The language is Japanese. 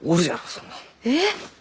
そんなの。えっ！？